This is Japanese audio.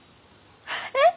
えっ！？